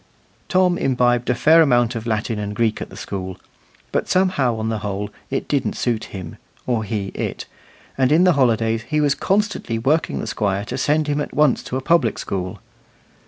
Tom imbibed a fair amount of Latin and Greek at the school, but somehow, on the whole, it didn't suit him, or he it, and in the holidays he was constantly working the Squire to send him at once to a public school.